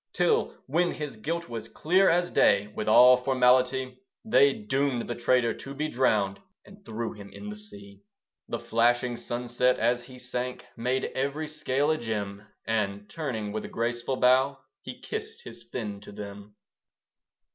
Till, when his guilt was clear as day, With all formality They doomed the traitor to be drowned, And threw him in the sea. The flashing sunset, as he sank, Made every scale a gem; And, turning with a graceful bow, He kissed his fin to them.